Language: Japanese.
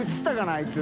あいつ。